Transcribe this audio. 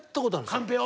カンペを？